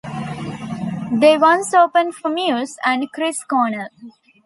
They once opened for Muse, and Chris Cornell.